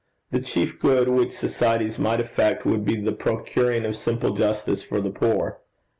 The chief good which societies might effect would be the procuring of simple justice for the poor.